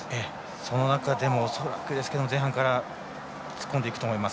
その中でも恐らく前半から突っ込むと思います。